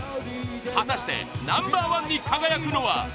果たしてナンバーワンに輝くのは？